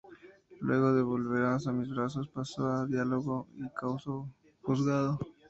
Luego de "Volverás a mis brazos" pasó a "Dialogando" y "Caso juzgado".